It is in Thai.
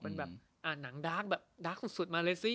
เป็นแบบหนังดาร์กแบบดาร์กสุดมาเลยสิ